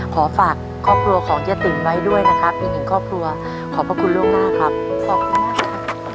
ขอฝากครอบครัวของเจ๊ติ๋มไว้ด้วยนะครับอีกหนึ่งครอบครัวขอบพระคุณล่วงหน้าครับขอบคุณมากครับ